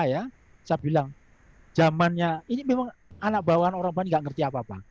saya bilang zamannya ini memang anak bawahan orang orang ini gak mengerti apa apa